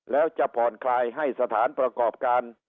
แล้วจะผ่อนคลายให้สถานประกอบการ